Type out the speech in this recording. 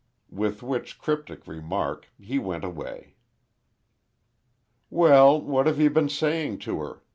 With which cryptic remark he went away. "Well, what you been saying to her?"